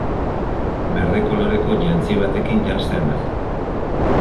Berde koloreko jantzi batekin janzten da.